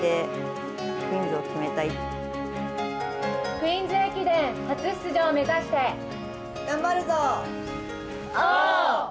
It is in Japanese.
クイーンズ駅伝初出場を目指して、頑張るぞ！